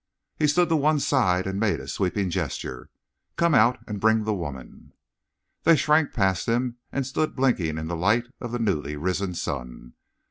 He stood to one side, and made a sweeping gesture. "Come out, and bring the woman." They shrank past him and stood blinking in the light of the newly risen sun.